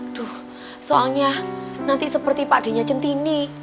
aduh soalnya nanti seperti pak adinya centini